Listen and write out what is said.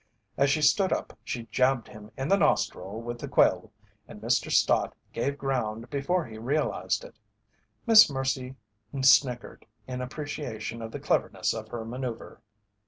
As she stood up she jabbed him in the nostril with the quill, and Mr. Stott gave ground before he realized it. Miss Mercy snickered in appreciation of the cleverness of her manoeuvre.